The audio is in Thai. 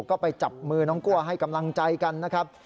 ก็ไปจับมือน้องกลัวให้กำลังใจกันนะครับ